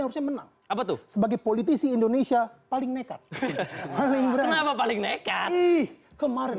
harusnya menang apa tuh sebagai politisi indonesia paling nekat paling berani paling nekat kemarin